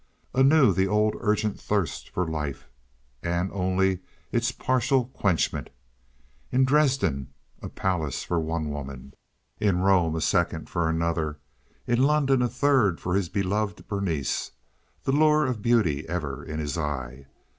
Anew the old urgent thirst for life, and only its partial quenchment. In Dresden a palace for one woman, in Rome a second for another. In London a third for his beloved Berenice, the lure of beauty ever in his eye.